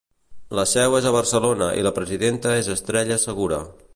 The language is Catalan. La seu és a Barcelona i la presidenta és Estrella Segura.